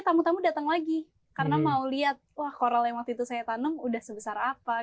tamu tamu datang lagi karena mau lihat wah coral yang waktu itu saya tanam udah sebesar apa